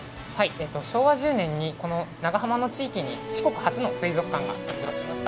昭和１０年に長浜の地域に四国初の水族館ができました。